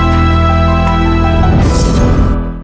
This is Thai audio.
จมูกธอม